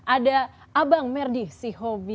ada abang merdi sihobi